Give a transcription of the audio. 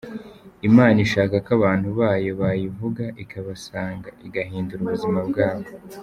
Imana ishaka ko abantu bayo bayivuga ikabasanga igahindura ubuzima bwabo.